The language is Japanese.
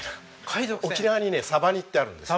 沖縄にねサバニってあるんですよ。